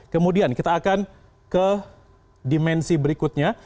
kemudian kita akan ke dimensi berikutnya